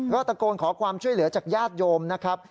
ก็ตะโกนขอความช่วยเหลือจากญาติโยมนะครับ